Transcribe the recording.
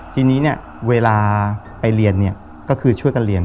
ทีนี้เวลาไปเรียนก็คือช่วยกันเรียน